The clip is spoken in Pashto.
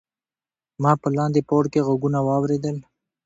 ما په لاندې پوړ کې غږونه واوریدل.